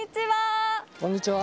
こんにちは。